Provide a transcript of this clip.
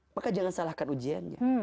maka jangan salahkan ujiannya